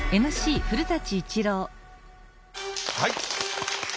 はい。